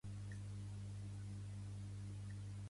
Altres obres van ser "The Buccaneer", "Can Wrong Be Right?